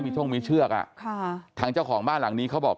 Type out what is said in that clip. มีช่องมีเชือกอ่ะค่ะทางเจ้าของบ้านหลังนี้เขาบอก